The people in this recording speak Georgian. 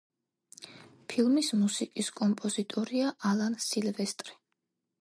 ფილმის მუსიკის კომპოზიტორია ალან სილვესტრი.